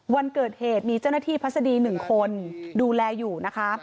วันเกิดเหตุมีเจ้าหน้าที่พัศดี๑คนดูแลอยู่นะคะ